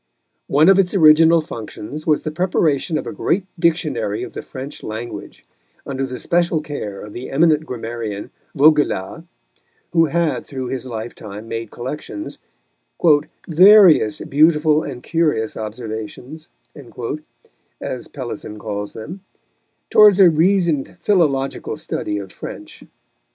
One of its original functions was the preparation of a great Dictionary of the French language, under the special care of the eminent grammarian, Vaugelas, who had through his lifetime made collections "various beautiful and curious observations," as Pellisson calls them towards a reasoned philological study of French.